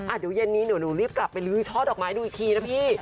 เดี๋ยวเย็นนี้เดี๋ยวหนูรีบกลับไปลื้อช่อดอกไม้ดูอีกทีนะพี่